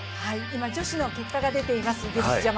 今、女子の結果が出ています。